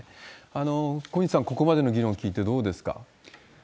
小西さん、ここまでの議論聞いてどうですか？